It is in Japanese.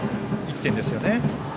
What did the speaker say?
１点ですね。